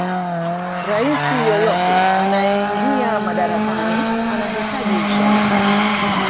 raisi yeyote anayeingia madarakani anahitaji ushauri